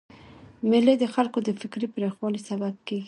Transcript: مېلې د خلکو د فکري پراخوالي سبب کېږي.